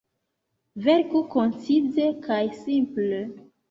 Verku koncize kaj simple.